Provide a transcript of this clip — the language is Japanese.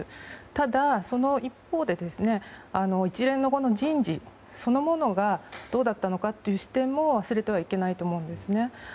ただ、その一方で一連の人事そのものがどうだったのかという視点も忘れてはいけないと思うんです。